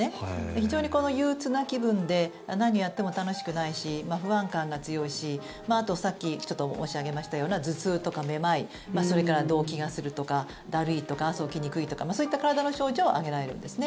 非常に憂うつな気分で何をやっても楽しくないし不安感が強いしあと、さっきちょっと申し上げましたような頭痛とかめまいそれから動悸がするとかだるいとか朝起きにくいとかそういった体の症状が挙げられるんですね。